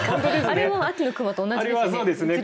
あれも秋の雲と同じですよね。